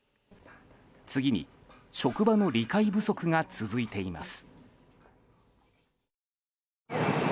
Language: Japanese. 次に、職場の理解不足が続いています。